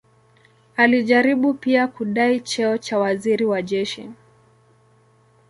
Alijaribu pia kudai cheo cha waziri wa jeshi.